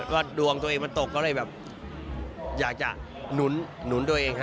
ก็ดวงตัวเองมันตกก็เลยแบบอยากจะหนุนตัวเอง